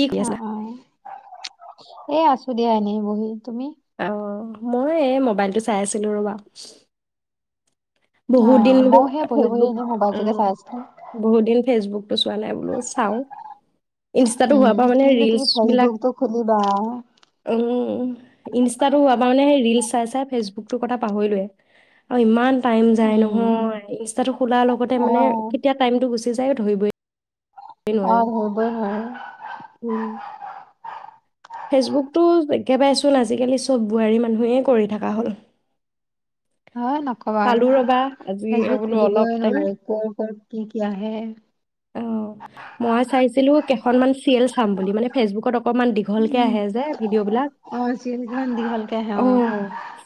কি কৰি আছা? অ' অ' এ আছো দিয়া এনেই বহি তুমি? অ', মই এই মোবাইলটো চাই আছিলো ৰ'বা। অ বহুদিন বোলো মইও সেই বহি বহি ফেচবুক এনেই মোবাইলটোকে অ', চাই আছিলো বহুদিন ফেচবুকটো চোৱা নাই বোলো চাওঁ, ইনষ্টাটো হোৱাৰ উম পৰা মানে কিনো তুমি ৰিলচবিলাক, ফেচবুকটো খুলিবা উম, ইনষ্টাটো হোৱাৰ পৰা মানে ৰিলচ চাই চাই ফেচবুকটোৰ কথা পাহৰিলোৱে আৰু ইমান টাইম যায় উম নহয় ইনষ্টাটো খোলাৰ লগতে অ মানে কেতিয়া টাইমটো গুচ যায় ধৰিবই অ', নোৱাৰো। ধৰিবই নোৱাৰি উম, ফেচবুকটো একেবাৰেচোন আজিকালি চব বোৱাৰী মানুহেই কৰি থকা হ'ল। অ', নক'বা পালো আৰু ৰ'বা আজি ফেচবুক বোলো অলপ খুলিবই টাইম নোৱাৰে ক'ৰ ক'ৰ কি কিয়া হে অ', মই চাইছিলো কেখনমান ছিৰিয়েল চাম বুলি মানে ফেচবুকত অক অকমান দীঘলকে উম আহে যে ভিডিঅ' বিলাক অ চিৰিয়েল খন দীঘলকে আহে অ',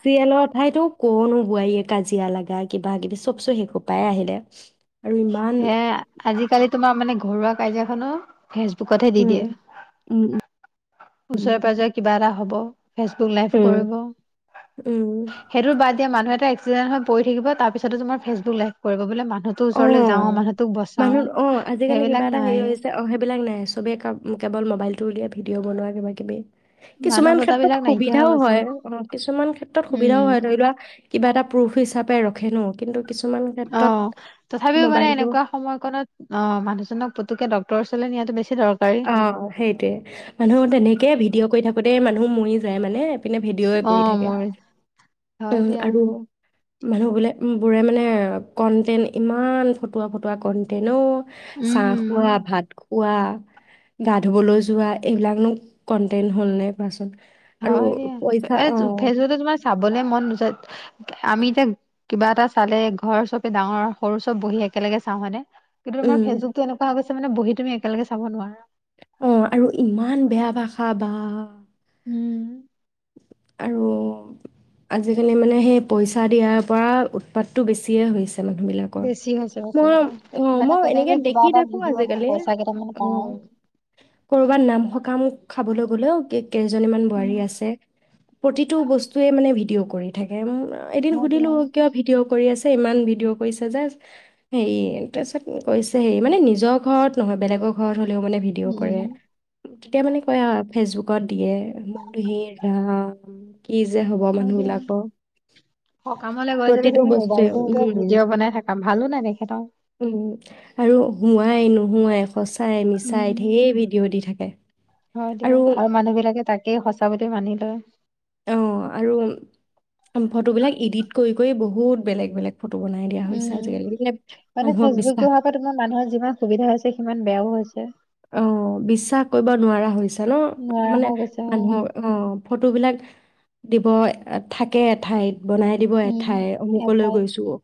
ছিয়েলত সেই এইটো ক'ৰনো বোৱাৰীয়ে কাজিয়া লাগায় কিবা কিবি চব চোন সেইসোপায়ে আহিলে আৰু ইমান হে আজি কালি তোমাৰ মানে ঘৰুৱা কাজিয়াখনো ফেচবুকত হে দি উম দিয়ে। উম উম ওচৰে-পাজৰে কিবা এটা হ'ব ফেচবুক লাইভ উম কৰিব। উম সেইটো বাদ দিয়া মানুহ এটা এ ক্সিডেন হৈ পৰি থাকিব তাৰ পিছতো তোমাৰ ফেচবুক লাইভ কৰিব বোলে মান হটোৰ ওচৰলে অ' মানুহ অ', আজিকালি কিবা এটা নাই হেৰি হৈছে অ', সেইবিলাক নাই চবে কে কেৱল মোবাইলতটো উলিয়াই ভিডিঅ' বনোৱা কিবাকিবি মানুহ কিছুমান ক্ষেত্ৰত বচাবিলাক নাইকিয়া হৈ সুবিধাও গৈছে হয় অ', কিছুমান ক্ষেত্ৰত সুবিধাও উম হয় ধৰি লোৱা কিবা এটা প্ৰুফ হিচাপে ৰখ হেনো কিন্তু কিছুমান অ ক্ষেত্ৰত তথাপিও মানে মোবাইলটো এনেকুৱা সময়কত অ', মানুহজনক পুতুকে ডক ডক্তৰৰ ওচৰলৈ নিয়াটো বেছি দৰকাৰী অ', সেইটোয়ে মানুহ তেনেকে ভিডিঅ' কৰি থাকো তেই মানুহ মৰি যায় মানে পিনে ভিডিঅ'ৱে অ কৰি থাকে। মোৰ হয় উম দিয়া আৰু মানুহবিলাক বোৰে মানে, কন্টেন্ট ইমান ফটুৱা ফটুৱা কন্টেন্ট ও। চাহ খোৱা উম ভাত খ পোৱা গা ধুবলৈ যোৱা এইবিলাকনো কণ্টেণ্ট হ'লনে কোৱাচোন আৰু হয় দিয়া, এ পইচা অ ফেচবুকটো তোমাৰ চাবলে মন নোযায় আমি এতিয়া কিবা এটা চালে ঘৰ চবে ডাঙৰ সৰু চব বহি একেলগে চাওঁ হয়নে কিন্তু তোমাৰ উম ফেচবুকটো এনেকুৱা হৈ গৈছে মানে বহি তুমি একেলগে চাব নোৱাৰা। অ আৰু ইমান বেয়া ভাষা বা উম। আৰু আজিকালি মানে সেই পইচা দিয়াৰ পৰা উৎপাতটো বেছিয়ে হৈছে। মানুহ বিলাকৰ বেছি হৈছে মই বছৰটো অ' মানে মই তেনেকে এনেকে কিবা দেখি এটা থাকো ভিডিঅ' দি আজিকালি পইচা কেইটামান পাওঁ অ' কৰবাত নাম সকাম খাবলৈ গ'লেও কেক। কেইজনীমান উম, বোৱাৰী আছে প্ৰতিটো বস্তুৱয়ে মানে ভিডিঅ' কৰি থাকে। এদিন হয় সুধিলো দিয়া কিয় ভিডিঅ'? কৰি আছে ইমান ভিডিঅ কৰিছা যে হেই মানে নিজৰ ঘৰত নহয় বেলেগৰৰত হ'লেও মানে ভিডিঅ' উম কৰে। উম তেতিয়া মানে কয়, ফেচবুকত দিয়ে মোকহি। [unintelligible] কি যে হব হয় মানুহ দিয়া বিলাকৰ, সকামলৈ গৈ যদি প্ৰতিটো তুমি বস্তুৱে মোবাইলটো এতিয়া উম ভিডিঅ' বনাই থাকা ভালো নেদেখে ন উম আৰু হোৱাই নোহোৱাই সঁচাই মিছাই ঢেৰ ভিডিঅ' দি থাকে হয় দিয়া আৰু মানুহ বিলাকে তাকেই সঁচা বুলি মানিল অ অ আৰু ফটো বিলাক ইডিট কৰি কৰি বহুত বেলেগ বেলেগ ফটো বনাই দিয়া হৈছে উম আজিকালি মানে মানে মানুহক ফেচবুক বিশ্বাস দহাৰ পৰা তোমাৰ মানুহৰ যিমান সুবিধা হৈছে সিমান বেয়াও হৈছে এ। অ' বিশ্বাস কৰিব নোৱাৰা হৈছে। ন নোৱাৰা মানে হৈ গৈছে অ মানুহৰ অ ফটো বিলাক দিব থাকে এঠাইত। বনাই দিব উম এঠাই অমুকলৈ এঠাইত গৈছো অ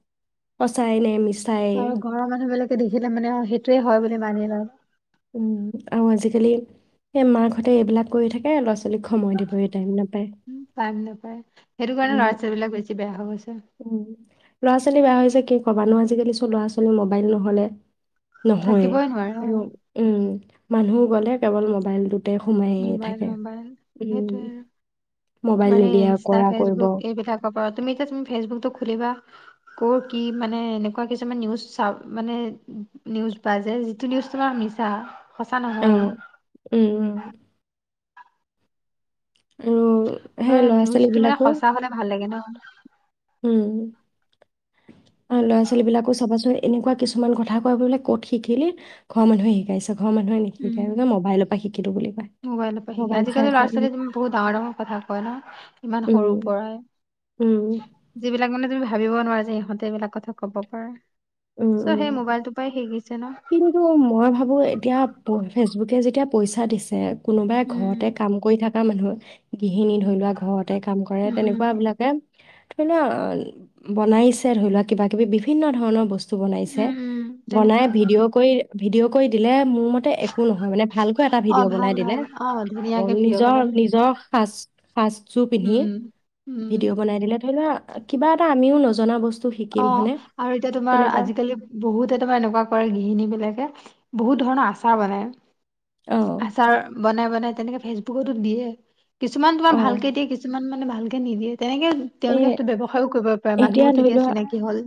সঁচাই নেমিছ আৰু ঘৰৰ মানুহ বিলাকে দেখিলে মানে সেইটোয়ে হয় বুলি মানি লয়। উম আৰু আজিকালি সেই মাকহঁতে এইবিলাক কৰি থাকে ল'ৰা ছোৱালীক সময় দিবই টাইম নাপায় টাইম নাপায, সেইটো কাৰণে ল'ৰা উম ছোৱালীবলাক বেছি বেয়া হৈ গৈছে। উম, [unintelligible] বেয়া হৈছে কি ক'বানো, আজিকালি চ' ল'ৰা ছোৱালী মোবাইল নহ'লে- নহয়েই। থাকিবই নোৱাৰে অ' আৰু- মানুহ গ'লে কেৱল মবাইলটো। তাতে সোমাইয়ে মোবাইল থাকে। মোবাইল উম। সেইটোৱে আৰু মোবাইল তোমাৰ সেই নিদিয়া কৰা কৰিব। ইনষ্টা-ফেচবুক এইবিলাকৰ পৰা। তুমি এতিয়া ফেচবুকতো- খুলিবা ক'ৰ কি মানে এনেকুৱা কিছুমান নিউজ চা, মানে, নিউজ বাজে যিটো নিউজ তোমাৰ মিছা। সঁচা নহয়। অ', উম, উম- সেই আৰু ল'ৰা-ছোৱালী নিউজটো মানে বিলাকো সঁচা হ'লে ভাল লাগে ন? [inaudible] উম। আৰু ল'ৰা ছোৱালী বিলাকো চাবাচোন এনেকুৱা কিছুমান কথা কয়, বোলে ক'ত শিকিলি? ঘৰৰ মানুহে শিকাইছে। ঘৰৰ মানুহে উম নিশিকাই, মোবাইলৰ পৰা শিকিলো বুলি কয়। মোবাইলৰ পৰা শিকে। মোবাইল চাই আজিকালি চাই ল'ৰা-ছোৱালী বহুত ডাঙৰ-ডাঙৰ কথা কয় ন? ইমান সৰুৰ উম, পৰাই, উম, যিবিলাক মানে তুমি ভাবিব নোৱাৰা যে ইহঁতে এইবিলাক কথা ক'ব পাৰে। উম, চ' উম। সেই মোবাইলটো পাই শিকিছে ন? কিন্তু এতিয়া, মই ভাবো এতিয়া ফেচবুকে যেতিয়া পইচা দিছে কোনোবাই উম ঘৰতে উম কাম কৰি থাকে। [inaudible] গৃহিনী ধৰি লোৱা ঘৰতে কাম কৰে, তেনেকুৱি উম বিলাকে- ধৰি লোৱা বনাইছে ধৰি লোৱা কিবা কিবি বিভিন্ন ধৰণৰ বচ বনাইছে। উম উম উম বনাই তেনেকুৱা ভিডিঅ কৰি দিলে ম- মতে একো [unintelligible] মানে ভালকৈ এটা অ ভিডিঅ' ভাল বনাই দিলে, ভাল অ ধুনীয়াকে ভিডিঅ' বনাই নিজৰ- নিজৰ পাঁচ [unintelligible] পিন্ধি উম উম ভিডিঅ' বনাই দিলে, ধৰি লোৱা কিবা এটা আমিও নজনা বচ অ', আৰু এতিয়া তোমাৰ, আজিকালি বহুতে তোমাৰ এনেকুৱা কৰে গৃহিণী বিলাকে, বহুত ধৰণৰ আচাৰ বনায় অ আচাৰ বনাই- বনাই তেনেকে ফেচবুকতো দিয়ে। কিছুমান অ তোমাৰ ভালকে দিয়ে, কিছুমান মানে ভালকে নিদিয়ে। তেনেকে এই তেওঁলোকে সেইটো ব্যৱসায়ও কৰিব পাৰে এতিয়া মানুহো ধৰি তেতিয়া চিনাকি হ'ল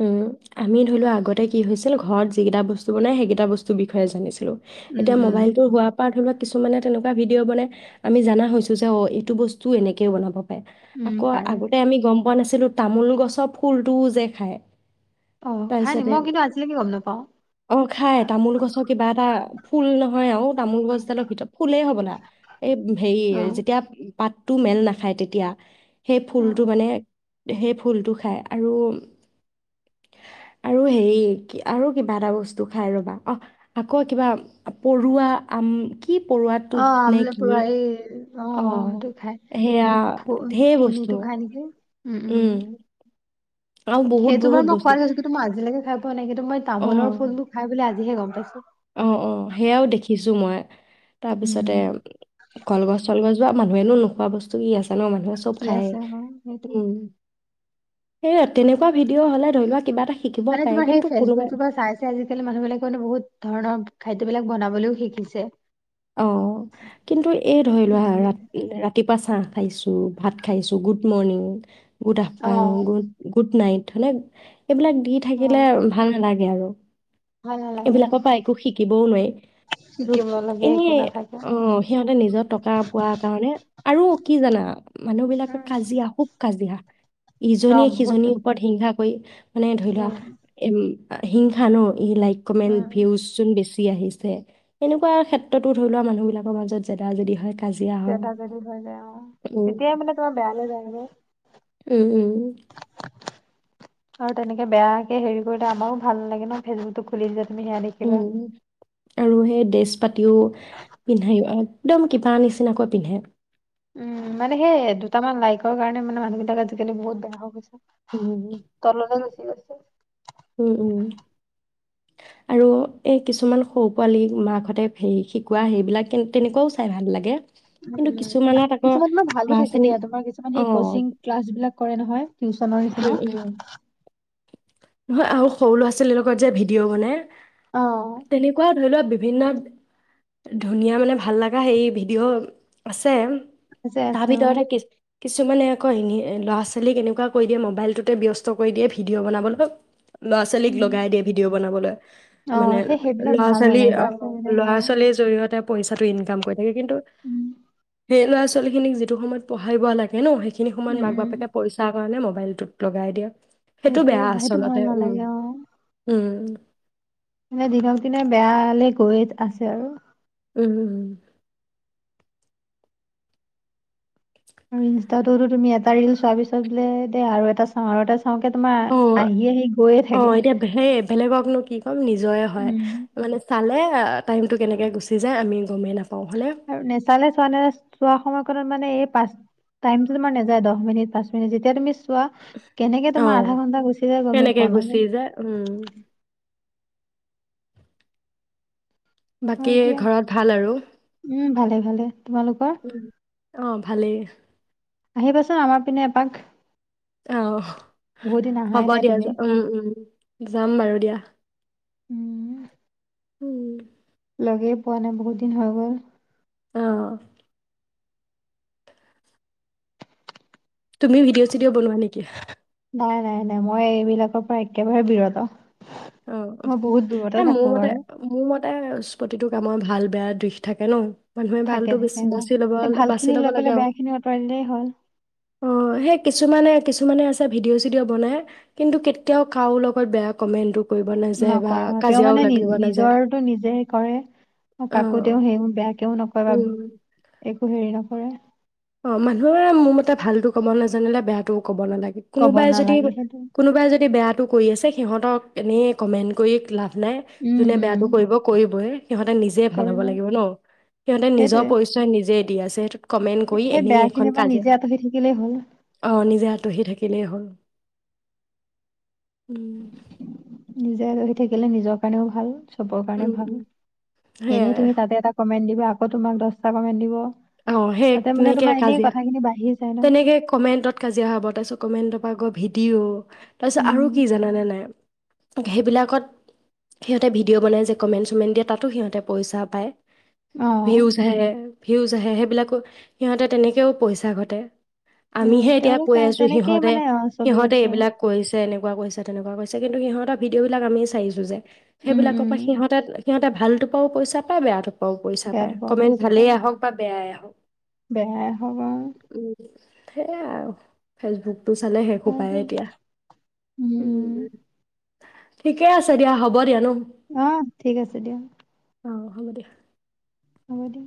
উম আমি ধৰি লোৱা আগতে কি হৈছিল ঘৰত যিকেইটা বস্তু বনাই সেইকেইটা বস্তুৰ বিষয়ে জানিছিলোঁ উম এতিয়া উম মোবাইলতৰ হোৱাৰ পৰা ধৰি লওক কিছুমানে তেনেকুৱা ভিডিঅ' বনাই আমি জনা হৈছোঁ যে অঁ এইটো বস্তুও এনেকৈও বনাব পাৰে আ উম পাৰে আগতে আমি গম পোৱা নাছিলো তামোল গছৰ ফুলটোও যে খায় অ খাই নি তাৰপিছতে মই কিন্তু আজিলৈকে গম নাপাওঁ অ খাই তামোল গছত কিবা এটা ফুল নহয় আৰু তামোল গছডালৰ ভিতৰত ফুলেই হ'বলা এই হেৰি অ যেতিয়া পাতটো মেল নাখায় তেতিয়া সেই অ ফুলটো অ মানে সেই ফুলটো খাই আৰু আৰু হে আৰু কিবা এটা বস্তু খাই ৰবা অ আকৌ কিবা পৰুৱা আম কি পৰুৱা অ টোপ নে কি আমলপৰা এই অ সেয়া ফ ঢেৰ কণীটো বস্তু [inaudible] উম আৰু বহুত সেইটো বহুত বাৰ মই বস্তু খোৱাইছো কিন্তু ম আজিলৈে খাই পোৱা নাই কিন্তু মই অ তামোলৰ ফুলবোৰ খাইেল আজিহে গম পাইছো জুমাৰ তাৰপিছতে কলগছ চলগছ যোৱা মানুহেো নোখোৱাস্তু কি আছে জনান মানুহে চব কি খায় আছে অ সেইটোৱে। উম সেইয়া তেনেকুৱা ভিডিঅ' হলে ধৰি লোৱা কিবা এটা শিকিব মানে তোম পাৰে সেই কিন্তু কোনোবাই ফেচবুক ত পৰা চাই আজালি মানুহবিলাকে মানে বহুত ধৰণৰ খাদ্যবিলাক বনাবলৈও শিকিছে অ কিন্তু এই ধৰি লোৱা ৰা ৰাতিপুৱ পা চাহ খাইছো ভাত খাইছো গুড মৰ্ণিং গুড অ আফটাৰনন গু গুড নাইটো নে এইবিলাক দি অ থাকিলে ভাল নালাগে আৰু ভাল [inaudible] নালাগে অ এইবিলাকৰ পৰা একো শিকিবও নোৱাৰি আৰু শিকিব লাগে এনে একো নাথাকে। অ সিহঁতে নিজৰ টকা পোৱাৰ কাৰণে আৰু কি জানা মানুহবিলাকে উম কাজিয়া খুব কাজিয়া। ন ইজনীয়ে বহুত সিজনীৰ ওপৰত হিংসা [unintelligible] মানে ধৰি লোৱা উম এম হিংসা ন ই লাইক মেন্ত উম ভিউজ চোন জি আহিছে এনেকুৱা ক্ষেত [unintelligible] ধৰি লোৱা মানুহবিলাকৰ মাজত জেদা জেদী হয়। কাজিয়া হয় জেদা জেদী হৈ যায় অ' আৰু উম তেতিয়াই মানে তোমাৰ বেয়ালে যায়গে। উম। আৰু তেনেকে বেয়াকে হেৰি কৰিলে আমাৰো ভাল নালাগে ন ফেচবুক টো খুলি যে [unintelligible] দেখিবা। উম আৰু সেই ডেছ পাতিও পিন্ধায়ো আৰু একদম কিবা নিচিনাকৈ পিন্ধে। উম মানে সেই দুটামান লাইকৰ কাৰণে মানে মানুহ বিলাক আজিকালি বহুত বেয়া হৈ গৈছে। উম তলতে গুচি গৈছে। উম উম আৰু এই কিছুমান সৰু পোৱালী মাকহঁতে হে শিকোৱা সেইবিলাক তেনেকুৱাও চাই ভাল লাগে। কিন্তু কিছুমানত আকৌ কিছুমান তোমাৰ ল'ৰা ভালো থাকে ছোৱালীক দিয়া তোমাৰ কিছুমান অ সেই কচিং ক্লাছ বিলাক কৰে নহয় টিউচনৰ উম উম নিচিনা। নহয় আৰু সৰু ল'ৰা ছোৱালীলগত যে ভিডিঅ' বনাই অ তেনেকুৱাও ধৰি লোৱা বি ভিন্ন ধুনীয়া মানে ভাল লাগা সেই ভিডিঅ' আছে। আছে তাৰ আছে অ ভিতৰতে কিছ ওমানে আকৌ ল'ৰা ছোৱালীক কেনেকুৱা কৰি দিয়ে মোবাইলটোতে ব্যস্ত কৰি দিয়ে ভিডিঅ' বনাবলৈ ল'ৰা ছোৱালীক উম লগাই দিয়ে ভিডিঅ' বনাবলৈ। অ মানে সেই সেইবিলাক ল'ৰা ভাল ছোৱালী নালাগে ল'ৰা অ' ছোৱালীবিলাক ল'ৰা অ ছোৱালীৰ জৰিয়তে পইচাটো ইনকাম কৰি কিন্তু উম সেই ল'ৰা ছোৱালী খিনিক যিটো সময়ত পঢ়াব লাগে ন সেই সেইখিনি সময়ত উম মাক উম বাপেকে পইচা কাৰণে ম বাইলটোত লগাই দিয়া। সেইটো সেইটোয়ে বেয়া ভা- সেইটো ভাল আচলতে, উম নালাগে অ উম। মানে দিনক দিনে বেয়ালে গৈ আছে আৰু উম।। আৰু ইনষ্টাটোতো তুমি এটা ৰিল চোৱাৰ পিছত বোলে দে আৰু এটা চাওঁ আৰু এটা চাওঁ। চাওঁকে তোমাৰ অ আহি আহি গৈয়ে থাকে। চব নিজৰে হয়, উম। মানে চালে আ - টাইমটো কেনেকে গুচি যায় আমি গমেই নাপ আৰু নেচালে [unintelligible] চোৱা [unintelligible] [unintelligible] মানে পাচ - টাইম তোমাৰ নাযায় দহ মিনিট, পাঁচ মিনিট। যেতিয়া তুমি চোৱা কেনেকে তোমাৰ অ', আধা ঘন্টা গুচি যায় গমেই তেনেকে পোৱা গুচি যায় উম, নাযায়। বাকী হয় দিয়া ঘৰত ভাল আৰু উম ভালে ভালে তোমালোকৰ অ' ভালেই। আহিবাচোন আমাৰ পিনে এপাক। অহ। বহুত দিন অহাই হ'ব নাই দিয়া তুমি উম উম যাম বাৰু দিয়া। উম উম। লগে পোৱা নাই বহুত দিন হৈ গ'ল। অ। তুমি ভিডিঅ' চিডিঅ' বনোৱা নেকি? নাই, নাই, নাই। মই এইবিলাকৰ পৰা একেবাৰে বিৰত। অ'। মই বহুত দূৰতে এ মোৰ থাকো মতে বাৰু মোৰ মত প্ৰতিটো কামৰ ভাল বেয়া দিশ থাকে ন। মানুহে থাকে ভালতো থাকে মই বাচি লব এই ভাল খিনি বাচি লব লৈ লাগে পেলাই আৰু বেয়া খিনি আঁতৰাই দিলেই হ'ল অ' সেই কিছুমানে কি? কিছুমানে আছে ভিডিঅ' চিডিঅ' বনাই কিন্তু, কেতিয়াও কাৰো লগত বেয়া কমেন্ট নকৰে তেওঁ মানে নি নাযায় নিজৰটো নিজে কৰে, কাকো তেওঁ অ', সেইও বেয়াকেও নকয় বা উম, একো হেৰি নকৰে। অ' মানুহৰ মানে মোৰ মতে ভালতো ক'ব নাজানিলে বেয়াটো ক'ব নালাগে কব কোনোবাই যদি নালাগে সেইটো কোনোবাই যদি বেয়া। কৰি আছে সিহঁতক এনেই কমেণ্ট কৰি লাভ [unintelligible] উম যোনে উম বেয়াটো কৰিব কৰিবই। সিহঁতে নিজে ভাল হ'ব কৰিব লাগিব ন সিহঁতে নিজৰ সেইটোৱে পৰিচয় নিজে। দি আছে সেইটোত কমে কৰি সেই বেয়া এনেই এখন খিনিৰ পৰা কাজিয়া। নিজে আঁতৰি থাকিলেই হ'ল অ' নিজে আঁতহি থাকিলেই হ'ল। উম নিজে ৰহি থাকিলে নিজৰ কাৰণেও ভাল চব কাৰণে উম, ভাল উম, এনেই সেয়াই তুমি তাতে এটা কমেট দি আকৌ তোমাক দহটা কমেট দিব অ সেই তাতে মানে তেনেকে তোমাৰ এনেই কাজিয়া কথাখিনি বাঢ়িছে তেনেকে কমেণ্টত কাজিয়া হ ব তাই কমেণ্টত পাকৰ ভিডিঅ' তাৰপিছত উম আৰু কি জানে নাই সেইবিলাকত সিহঁতে ভিডিঅ' বনাই যে কমেণ্ট চমেণ্ট দিয়ে তাতো সিহঁতে পইচা পায় অ ভিউজ হে ভিউজ আহে সেইবিলাকো সিহঁতে তেনেকৈও পইচা ঘটে সেয়া আমিহে এতিয়া তেওঁলোক কৈ তে- আছো তেনেকেই সিহঁতে মানে অ চলি সিহঁতে আছে আৰু এইবিলাক কৰিছে এনেকা ক কৈছে তেনেৱাৈছে কিন্তু সহঁতৰ ভিডিঅবিলাক আমি চিছো যে উম সেইবিলাকৰ উম পৰা সিহঁতে সিহতে ভালটোৰপাও পইচা পায়ে বেয়া পইচা পাই বেয়াটো পৰা কমেণ্ট পইচা ভালেই পায় আহক বা বেয়াই আহক বেয়াই হওক আৰু সেয়াই আৰু ফেচবুক তটো চালে শেষো হয় পায় দিয়া এতিয়া উম উ উম ঠিকে আছে দিয়া হ'ব দিয়া নো আহ ঠিক আছে দিয়া অ হ'ব দিয়া হব দিয়া